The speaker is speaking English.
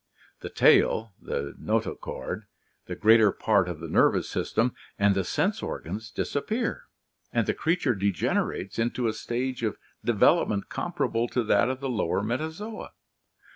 The tail, the notochord, the greater part of the nervous system, and the sense organs disappear, and the creature degener ates into a stage of development comparable to that of the lower Metazoa.